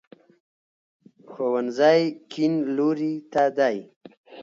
ښوونځی کیڼ لوري ته دی